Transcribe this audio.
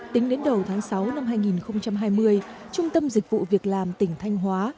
tính đến đầu tháng sáu năm hai nghìn hai mươi trung tâm dịch vụ việc làm tỉnh thanh hóa